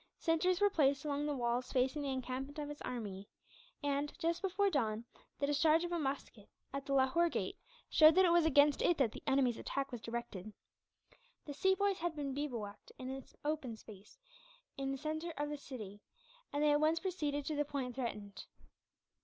Sentries were placed along the walls facing the encampment of his army and, just before dawn, the discharge of a musket, at the Lahore gate, showed that it was against it that the enemy's attack was directed. The Sepoys had been bivouacked in an open space, in the centre of the city, and they at once proceeded to the point threatened.